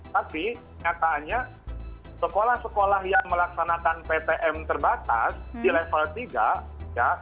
tapi nyataannya sekolah sekolah yang melaksanakan ptm terbatas di level tiga ya